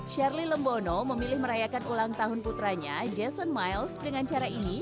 shirley lembono memilih merayakan ulang tahun putranya jason miles dengan cara ini